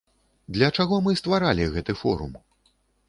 Для чаго мы стваралі гэты форум?